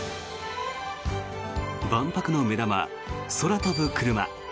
万博の目玉、空飛ぶクルマ。